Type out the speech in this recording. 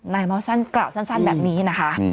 ไม่ได้อยู่ลำพังในเมาส์สั้นกล่าวสั้นแบบนี้นะคะ